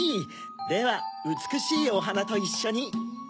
ではうつくしいおはなといっしょに。